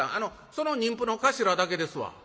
その人夫の頭だけですわ」。